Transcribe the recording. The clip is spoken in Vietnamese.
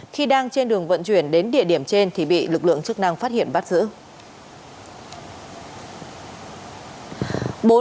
khi đang trên đường vận chuyển đến địa điểm trên thì bị lực lượng chức năng phát hiện bắt giữ